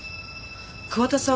桑田さん